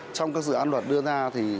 trong các dự án luật đưa ra